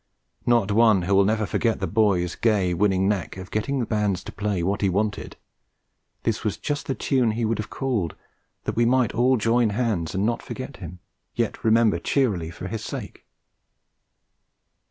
Not one who will never forget the boy's gay, winning knack of getting bands to play what he wanted; this was just the tune he would have called, that we might all join hands and not forget him, yet remember cheerily for his sake!